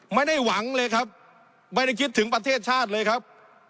ไม่ได้หวังเลยครับไม่ได้คิดถึงประเทศชาติเลยครับ